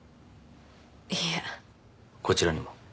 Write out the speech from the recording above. いいえこちらにも？